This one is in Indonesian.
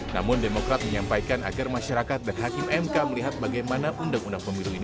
namun demokrat menyampaikan agar masyarakat dan hakim mk melihat bagaimana undang undang pemilu ini